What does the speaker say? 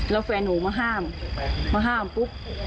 แล้วแฟนหนูมาห้ามมาห้ามปุ๊บ